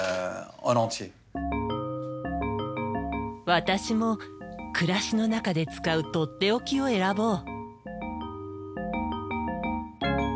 私も暮らしの中で使うとっておきを選ぼう。